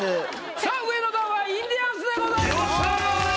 さあ上の段はインディアンスでございます。